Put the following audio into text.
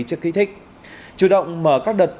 chất khí thích chủ động mở các đợt